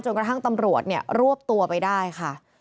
จนกระทั่งตำรวจรวบตัวไปได้ค่ะ